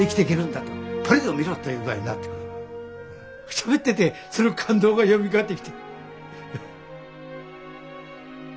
しゃべっててその感動がよみがえってきた。